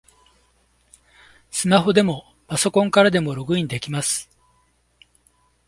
スマホでもパソコンからでもログインできます